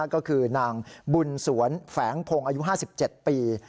ก็คือนางบุญสวนแฝงโพงอายุห้าสิบเจ็ดปี